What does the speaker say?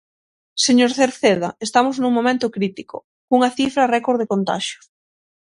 Señor Cerceda, estamos nun momento crítico, cunha cifra récord de contaxios.